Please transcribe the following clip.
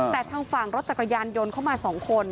แต่ทางฝั่งรถจักรยานยนต์เข้ามา๒คน